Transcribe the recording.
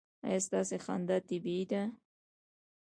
ایا ستاسو خندا طبیعي ده؟